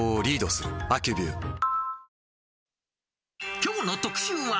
きょうの特集は。